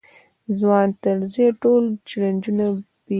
ځوان طرزی ټول چلنجونه پېيي.